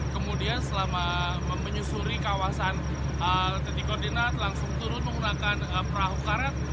kemudian selama menyusuri kawasan titik koordinat langsung turun menggunakan perahu karet